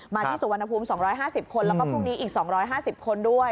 ที่สุวรรณภูมิ๒๕๐คนแล้วก็พรุ่งนี้อีก๒๕๐คนด้วย